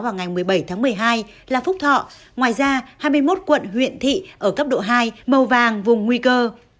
vào ngày một mươi bảy tháng một mươi hai là phúc thọ ngoài ra hai mươi một quận huyện thị ở cấp độ hai màu vàng vùng nguy cơ